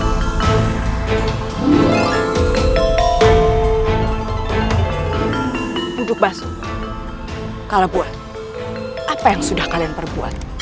penduduk basu kalabua apa yang sudah kalian perbuat